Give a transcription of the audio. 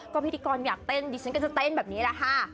ก็พี่พี่กรอยากเต้นดีฉันกันจะเต้นแบบนี้ล่ะค่ะ